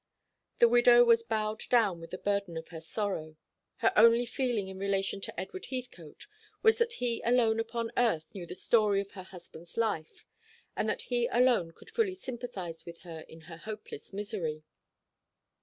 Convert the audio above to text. The widow was bowed down by the burden of her sorrow. Her only feeling in relation to Edward Heathcote was that he alone upon earth knew the story of her husband's life, and that he alone could fully sympathise with her in her hopeless misery.